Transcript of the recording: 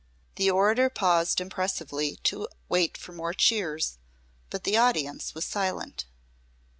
The orator paused impressively to wait for more cheers, but the audience was silent.